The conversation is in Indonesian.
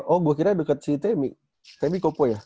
oh gua kira deket si temi temi kopo ya